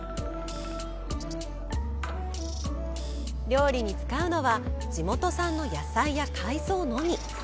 料理に使うのは地元産の野菜や海藻のみ。